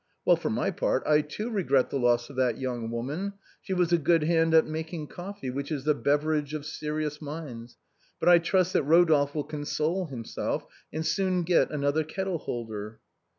Well, for my part, I, too, regret the loss of that young woman; she was a good hand at making coffee, which is the beverage of serious minds. But I trust that Rodolphe will console himself, and soon get another Kettle holder."